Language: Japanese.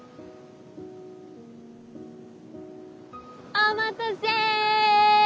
お待たせい！